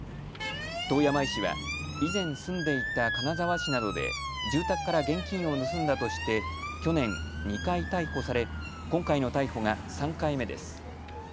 遠山医師は以前、住んでいた金沢市などで住宅から現金を盗んだとして去年、２回逮捕され今回の逮捕が３回目です。